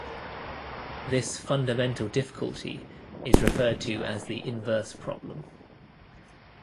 This fundamental difficulty is referred to as the inverse problem.